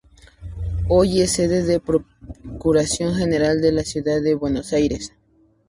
Hoy es sede la Procuración General de la Ciudad de Buenos Aires.